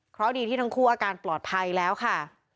เพราะดีที่ทั้งคู่อาการปลอดภัยแล้วค่ะ